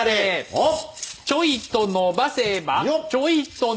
おっ！